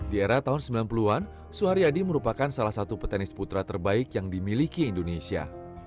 di era tahun sembilan puluh an suharyadi merupakan salah satu petenis putra terbaik yang dimiliki indonesia